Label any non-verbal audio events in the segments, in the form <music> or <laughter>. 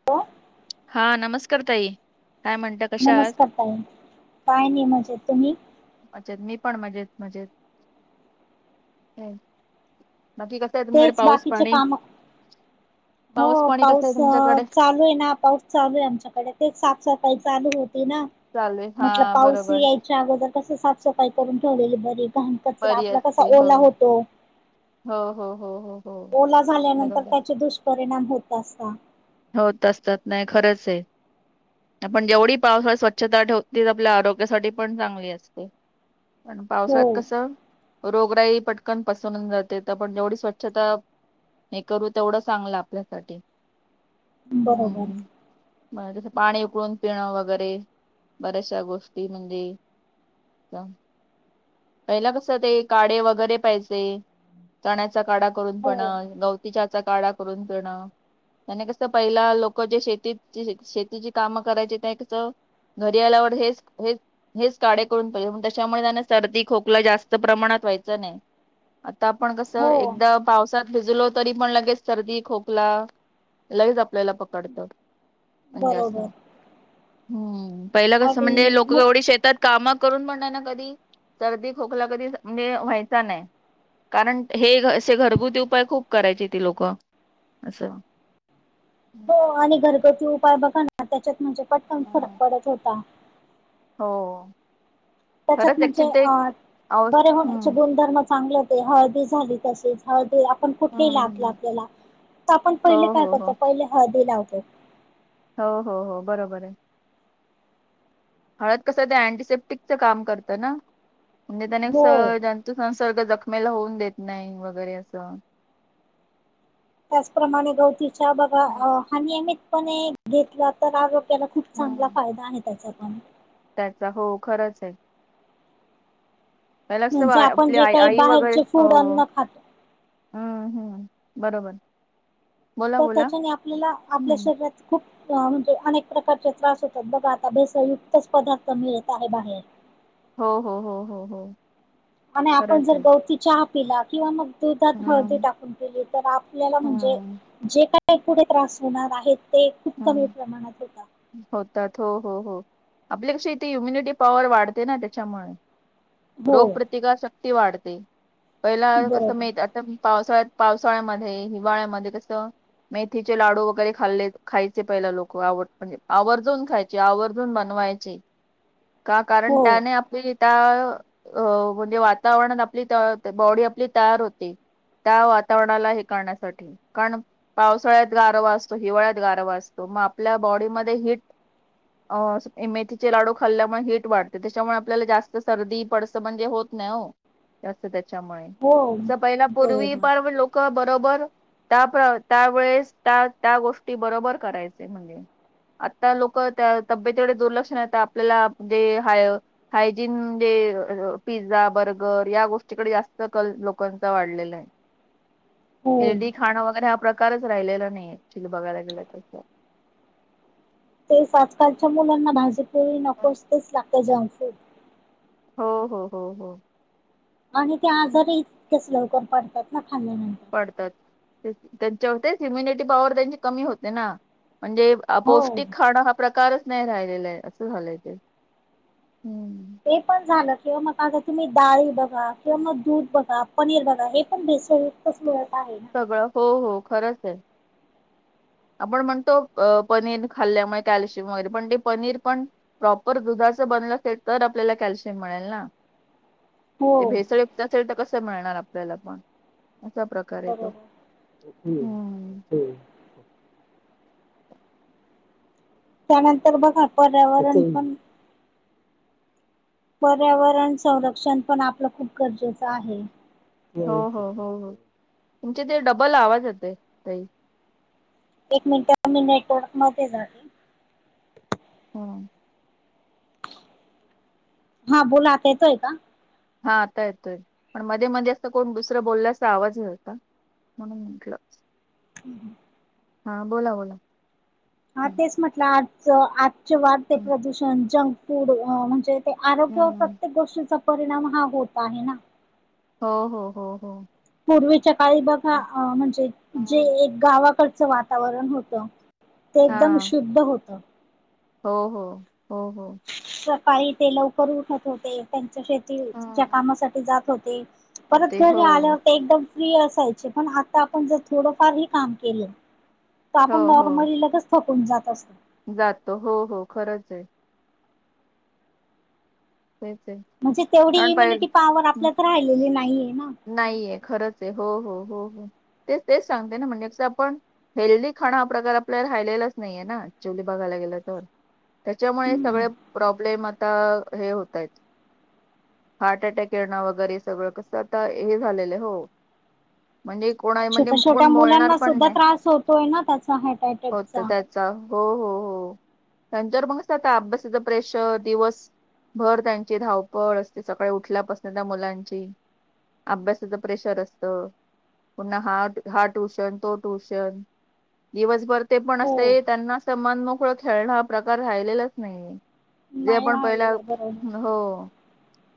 <unintelligible> हा नमस्कार ताई काय म्हणता कशा आहात नमस्कार ताई काय नाही मजेत तुम्ही मजेत मी पण मजेत मजेत <inaudible> नकी कस <unintelligible> तेच पाऊस बाकीचे पाणी काम हो पाणी कसं आहे पाऊस तुमच्याकडे चालू आहे ना पाऊस चालू आहे आमच्याकडे ते साफसफाई चालू होती ना चालू आहे म्हटल हा पाऊस बरोबर याय च्या अगोदर कस साफसफाई करून ठेवलेली बरी घाण कचरा बरी आपला कसा असते हो ओला होतो हो हो हो हो ओला झाल्यानंतर बरोबर त्याचे दुष्परिणाम होत असता होत असतात नाही खरंच आहे आपण जेवढी पावसात स्वच्छता ठेवतो ती आपल्या आरोग्यासाठी पण चांगली असते पण हो पावसाळ्यात कसं रोगराई पटकन पसरून जाते पण जेवढी स्वच्छता हे करू तेवढं चांगलं आपल्यासाठी बरोबर हम् बर त पाणी उकळून पिणं वगैरे बऱ्याचशा गोष्टी म्हणजे <inaudible> पहिला कस ते काढे वगैरे पाहिजे चण्याचा काडा करून हो पण ग तिच्याचा काढा करून पिणं आणि कसं पहिला लोक जे शेती शेतीची कामं करायचे ते कस घरी आल्यावर हेच हे हेच काढे करून <unintelligible> त्याच्यामुळे त्यांना सर्दी खोकला जास्त प्रमाणात व्हायचा नाही आता आपण कस हो एकदा पावसात भिजलो तरी पण लगेच सर्दी खोकला लगेच आपल्याला पकडतं म्हणजे अस बरोबर हम्म पहिलं कस म्हणजे आणि लोक मग एवढी शेतात काम करून पण नाही ना कधी सर्दी खोकला कधी म्हणजे व्हायचा नाही कारण हे असे घरगुती उपाय खूप करायचे ती लोक असं हो आणि घरगुती उपाय बघा ना त्याच्यात म्हणजे पटकन फरक हा. पडत होता हो त्याच्यात खरंच म्हणजे एकचि ते अ आव बरे होण्याचे हम्म. गुणधर्म चांगले ते हळदी झाली तशीच हळदी आपण कुठली लागेल हम्म आपल्याला तर आपण हो पहिले काय हो हो करतो पहिले हळदी लावतो हो हो हो बरोबर आहे हळद कसं ते अँटीसेप्टिकचं काम करतं ना म्हणजे त्याने हो असं जंतू संसर्ग जखमेला होऊन देत नाही वगैरे असं त्याचप्रमाणे गवती च्या बाघा हम्म हा नियमितपणे घेतला तर आरो त्याला खूप चांगला हम्म. फायदा आहे त्याचा पण त्याचा हो खरंच आहे पहिला अस म्हणजे आपण आपली जे आई काही आई वगैरे बाहेरचे हो फूड हो अन्न खातो अ हम्म. बरोबर. बोला तर बोला त्याच्याने आपल्याला आपल्या हम्म शरीरात - - खूप म्हणजे अनेक प्रकारचे त्रास होतात. बघा आता भेसळयुक्तच पदार्थ मिळत आहे बाहेर. हो, हो, हो, हो, हो. आणि आपण खरंच जर आहे गवती चहा पिला किंवा मग दुधात हळदी हम्म टाकून पीली तर आपल्याला म्हणजे हम्म जे काय पुुढे त्रास होणार आहेत ते खूप कमी हम्म प्रमाणात होता होतात हो हो हो आपल्या कशी इथे इम्युनिटी पॉवर वाढते ना त्याच्यामुळे हो रोग प्रतिकार शक्ती वाढते. पहिला असं बरोबर <unintelligible> पावसाळ्यात पावसाळ्यामध्ये, हिवाळ्यामध्ये कसं मेथीचे लाडू वगैरे खाल्लेत खायचे पहिला लोक आवड म्हणजे आवर्जून खायचे, आवर्जून बनवायचे. का? हो कारण त्याने आप <unintelligible> अ म्हणजे वातावरणात आपली <unintelligible> बॉडी आपली तयार होते. त्या वातावरणाला हे करण्यासाठी कारण पावसाळ्यात गारवा असतो. हिवाळ्यात - - गारवा असतो. मग आपल्या बॉडी मध्ये हिट- - अ मेथीचे लाडू खाल्ल्यामुळे हीट वाढते. त्याच्यामुळे आपल्याला जास्त सर्दी, पडस म्हणजे होत नाही ओ जास्त त्यामुळे हो अस पुर्वी बरोबर पार लोक - - बरोबर त्या त्या वेळेस त्या त्या गोष्टी बरोबर करायचे म्हणजे. आता लोक त्या तब्येतीकडे दुर्लक्षणता आपल्याला जे हाय हायजीन म्हणजे पिझ्झा, बर्गर या गोष्टीकडे जास्त कल लोकांचा वाढलेलायं. हो हेल्दी खाणं वगैरे हा प्रकारच राहिलेला नाही. एक्चुली बघायला गेलं तसं. तेच आजकालच्या मुलांना भाजी पोळी नको असते <unintelligible> हो, हो, हो, हो. आणि ते हम्म. आजार इतकेच लवकर पडतात ना खाल्ल्यानंतर. पडतात. त्यांच्यावर तेच इम्युनिटी पॉवर त्यांची कमी होते ना. म्हणजे - - हो पौष्टिक खाणं हा प्रकारच नाही राहिलेला हे असं झालंय ते. हम्. ते पण झालं किंवा मग आता तुम्ही डाळी बघा किंवा मग दूध बघा. पनीर बघा हे पण भेसळयुक्तच मिळत आहे ना. सगळं. हो. हो. खरंच हाय. आपण म्हणतो अ पनीर खाल्ल्यामुळे कॅल्शियम वगैरे पण ते पनीर पण प्रॉपर दुधाचं बनलं असेल तर आपल्याला कॅल्शियम मिळेल ना. ते हो भेसळयुक्त असेल तर कसं मिळणार आपल्याला पण. असा प्रकार हाय तो. बरोबर हम्म. त्यानंतर बघा पर्यावरण पण - - पर्यावरण संरक्षण पण आपलं खूप गरजेचं आहे. हो, हो. हो, हो. तुमचे ते डब्बल आवाज येतोय ताई. एक मिनिट मी नेटवर्क मध्ये जाते. हम. हा बोला. आता येतोय का? हा आता येतोय. पण मध्ये मध्ये असं कोण दुसरं बोलल्याचा आवाज <unintelligible> म्हणून म्हटलं. हम्. हा. बोला, बोला. हा हम्म तेच म्हटलं आजच आजचे वाढते हम्म प्रदूषण, जंक फूड म्हणजे ते आरोग्य हम्म. प्रत्येक गोष्टीचा परिणाम हा होत आहे ना. हो, हो. हो, हो. पूर्वीच्या काळी बघा हम्म. म्हणजे जे एक गावाकडचं वातावरण होतं. ते एकदम हा शुद्ध होत. हो, हो. हो, हो. सकाळी ते लवकर उठत होते. त्यांच्या शेतीच्या हम्म. कामासाठी जात होते. तर परत ते हो घरी आल्यावर ते एकदम फ्री असायचे. पण आ आपण जर थोडंफार हे काम केलं तर हो आपण हो नॉर्मली लगे थंकून जात असती. जातो. हो, हो. खरंच हाय. होय चल. म्हणजे तेवढी इम्युनिटी पॉवर आपल्यात राहिलेली नाहीये ना. नाहीय खरंच आहे हो हो हो हो तेच तेच सांगते ना म्हणजे कस आपण हेल्दी खाणं हा प्रकार आपल्याला राहिलेलाच नाहीये ना चुली बघायला गेलं तर. त्याच्यामुळे हम्म सगळे प्रॉब्लेम आता हे होतय आहेत. हार्ट अटॅक येणं वगैरे हे सगळं कसं आता हे झालेलं हो. म्हणजे कोणा म्हणजे छोट्या छोट्या कोण बोलणार मुलांना पण सुद्धा नाही त्रास होतोय ना त्याचा हार्ट होत अटॅकचा. त्यात चा हो हो हो त्यांच्यावर पण कस आता अभ्यासाच प्रेशर दिवस भर त्यांची धावपळ असते सकाळी उठल्यापासून त्या मुलांची. अभ्यासाच प्रेशर असतं. पुन्हा हा हा ट्यूशन तो ट्यूशन. दिवसभर ते पण हो असते त्यांना असं मन मोकळं खेळणं हा प्रकार राहिलेलाच नाही. जे नाही आपण पहिला राहिलेला बरोबर. हो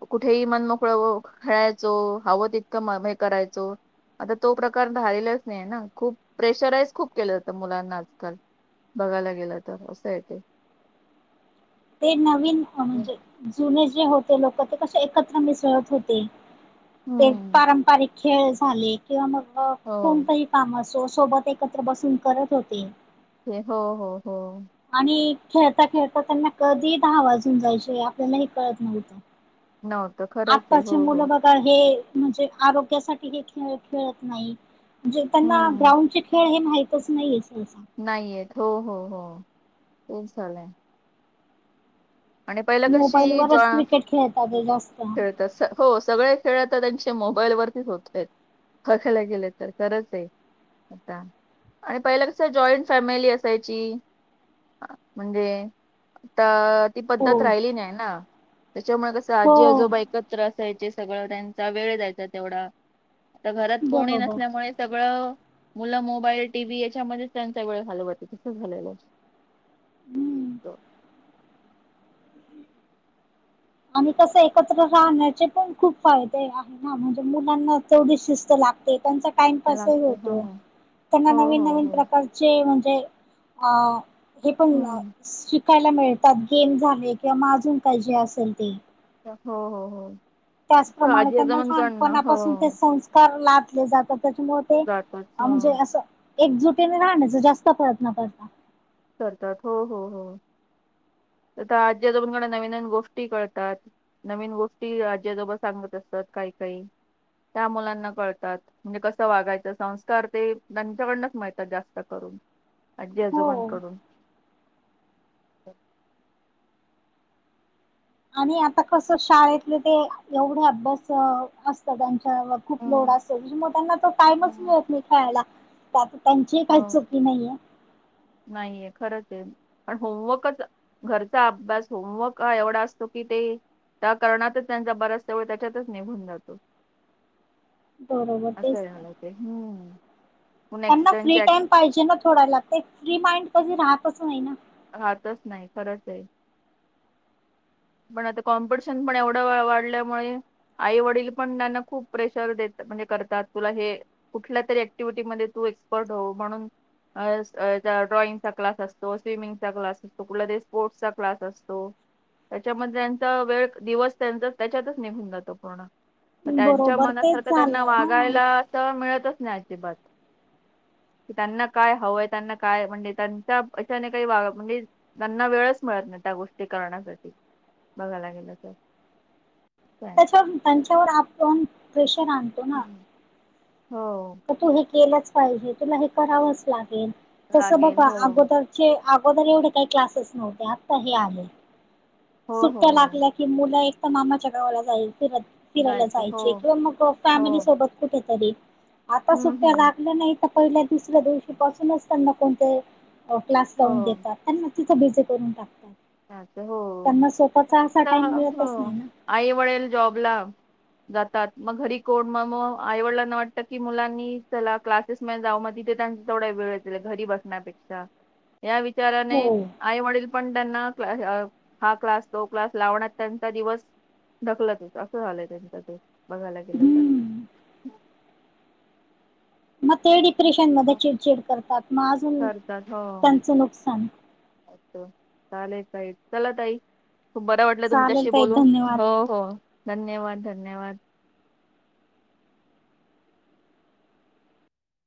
कुठेही मन मोकळ खेळाय चो हवं ततकं हे करायचो. आता तो प्रकार धालेलाच नाही ना खूप प्रेशराईज खूप केलं जातं मुलांना आजकाल. बघायला गेल तर असं य तेे. ते नवीन म्हणजे जुने जे होते लोक ते कसे एकत्र मिसळत होते. ते हम्म पारंपरिक खेळ झाले किंवा मग हो कोणतेही काम असो सोबत एकत्र बसून करत होते. हो हो हो. आणि खेळता खेळता त्यांना कधी दहा वाजून जायचे आपल्याला हे कळत नव्हतं. नव्हतं. खरंच आहे आत्ताचे हो हो मुलं बघा हे म्हणजे आरोग्यासाठी हे खेळ खेळत नाही. जे त्यांना हम्म ग्राउंडचे खेळ हे माहितच नाहीये सहसा. नाही येत हो हो हो <unintelligible> झालंय. आणि पहिला मोबाईल कशी जॉ वरच क्रिकेट खेळतात ते जास्त खेळ तस हो सगळे खेळ आता त्यांचे मोबाईल वरतीच होत आहेत. बघायला गेल तर खरंच आहे. आता आणि पहिला कसं आहे जॉईंट फॅमिली असायची. म्हणजे आता ती हो पद्धत राहिली नाही ना त्याच्यामुळे कसं हो आजी आजोबा एक त्र असायचे सगळं त्यांचा वेळ जायचा तेवढा. आता घरात कोनी बरोबर नसल्यामुळे सगळं मुलं मोबाईल टीव्ही याच्यामध्येच त्यांचा वेळ घालवत तसं झालेलं. हम्म. असतं. आणि कस एकत्र राहण्याचे पण खूप फायदे आहे ना म्हणजे मुलांना तेवढी शिस्त लाग ते त्यांचा टाइमपासही लागते हा होतो. त्यांना हो नवीन हो हो नवीन हो प्रकारचे म्हणजे अ हे पण शिकायला मिळतात. गेम झाले किंवा माजून काही जे असेल ते. हो. हो. हो. असं त्याचप्रमाणे आजी त्यांना आजोबांकडन लहानपणापासून हो ते संस्का कार लाटले जातात त्याच्यामुळे ते जातच म्हणजे असं एकजुटीने राहण्याचा जास्त प्रयत्न करतात. करतात. हो हो हो आता आजी आजोबांनकडून नवीन नवीन गोष्टी कळतात. नवीन गोष्टी आजी-आजोबा सांगत असतात काही काही त्या मुलांना कळतात. म्हणजे कसं वागायचं संस्कार ते त्यांच्याकडनच मिळतात जास्त करून. आजी हो आजोबांकडून. आणि आता कस शाळेतलं ते एवढे अभ्यास अस सगळ्यांच्या खूप लोड हम्म असेल मग त्यांना त टाइमच हम्म मिळत नाही खेळायला. त्यात त्यांची काही हो चुकी नाहीये. नाहीये खरंच आहे. पण होमवर्कच घरचा अभ्यास होमवर्क एवढा असतो की ते त्या कारणातच त्यांचा बऱ्याचसा वेळ त्याच्यातच निघून जातो. बरोबर तेच असं तर. मला ते हम्म पण त्यांना फ्री एक्स्टर्नचे टाइम पाहिजे ना थोड्याला ते फ्री माइंड कधी राहतच नाही ना. हातच नाही खरंच आहे. पण आता कॉम्पिटिशन पण एवढं वाढल्यामुळे आई वडील पण त्यांना खूप प्रेशर देत म्हणजे करतात तुला हे कुठल्या तरी ऍक्टिव्हटी मध्ये तू एक्सपर्ट हो म्हणून <unintelligible> ड्रॉइंगचा क्लास असतो, स्विमिंगचा क्लास असतो. कुठला ते स्पोर्ट्स चा क्लास असतो. त्याच्यामध्ये त्यांचा वेळ दिवस त्यांचा त्याच्यातच निघून जातो पूर्ण. मग त्यांच्या बरोबर तेच मनासारखं झालं त्यांना हा वागायला असं मिळतच नाही अजिबात. त्यांना काय हवंय त्यांना काय म्हणजे त्यांचा अशाने काही म्हणजे त्यांना वेळच मिळत नाही त्या गोष्टी करण्यासाठी बघायला गेल तर. तर त्यांच्यावर आपण प्रेशर आणतो ना. हम्म. हो. तर तू हे केलंच पाहिजे. तुला हे करावंच लागेल. तसं लागेल बघा हो अगोदर अगोदर एवढे काही क्लासेस नव्हते. आत्ता हे आहे. हो हो सुट्ट्या हो लागल्या की मुलं एक मामाच्या गावाला जायचे, फिरत फिरायला जायचे किंवा मग हो फॅमिली सोबत कुठेतरी आता हम्म सुट्ट्या हम्म लागल्या नाही पहिल्या, दुसऱ्या दिवशी पासूनच त्यांना कोणते क्लास लावून हो देतात. त्यांना किती बिजी करून टाकतात. का? तर हो. त्यांना सोबतचा असा टाइम नुसतं हो मिळतच नाही ना. आई- वडील जॉब ला जातात. मग घरी कोण मग मग आईवडीलांना वाटतं की मुलांनी चला क्लासेस मध्ये जाऊ मग तिथे त्यांचा तेवढा वेळ घरी बसण्यापेक्षा. या विचाराने हो आई-वडील पण त्यांना <unintelligible> हा क्लास तो क्लास लावण्यात त्यांचा दिवस ढकलत असं झालंय त्यांच ते बघायला गेलं तर. हम्म मग ते डिप्रेशन मध्ये हम्म. चिडचिड करतात, मग अजून त्यांचं नुकसान. <unintelligible> चालले काय? चला ताई. खूप बरं वाटलं चालेल तुमच्याशी ताई बोलून धन्यवाद हो हो धन्यवाद धन्यवाद.